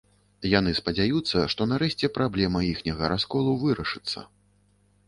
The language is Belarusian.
Яны спадзяюцца, што нарэшце праблема іхняга расколу вырашыцца.